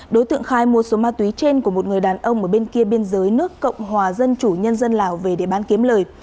đối tượng khai mua số ma túy trên của một người đàn ông ở bên kia biên giới nước cộng hòa dân chủ nhân dân lào về để bán kiếm lời